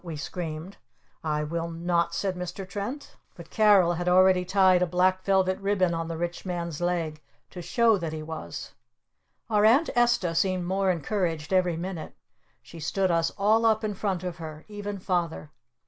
we screamed. "I will not!" said Mr. Trent. But Carol had already tied a black velvet ribbon on the Rich Man's leg to show that he was! Our Aunt Esta seemed more encouraged every minute. She stood us all up in front of her. Even Father.